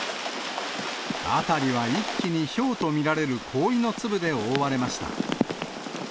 辺りは一気にひょうと見られる氷の粒で覆われました。